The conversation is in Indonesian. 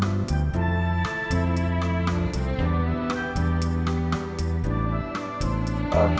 sebaiknya apa apa aja tanya